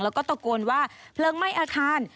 แล้วก็ตะโกนว่าเพลิงไหม้อาคาร